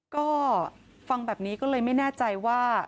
ก็ฟังแบบนี้ก็เลยไม่แน่ใจว่า